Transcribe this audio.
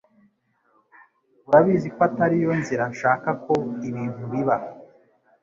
Urabizi ko atariyo nzira nshaka ko ibintu biba